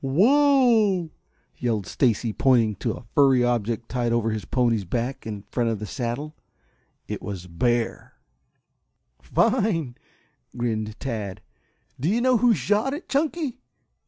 "Wow!" yelled Stacy, pointing to a furry object tied over his pony's back in front of the saddle. It was bear. "Fine!" grinned Tad. "Do you know who shot it, Chunky?"